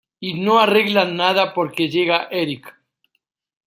Y no arreglan nada porque llega Eric.